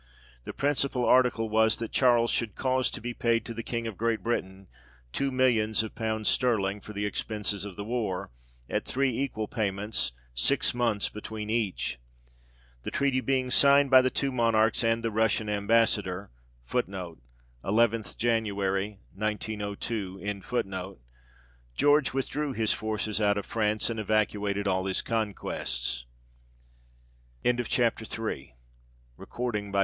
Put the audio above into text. The principal article was, That Charles should cause to be paid to the King of Great Britain two millions of pounds sterling, for the expences of the war, at three equal payments, six months between each. The treaty being signed by the two Monarchs and the Russian Ambassador, 1 George withdrew his forces out of France, and evacuated all his conquests. 1 ii Jan., 1902. CHAPTER IV. A.D.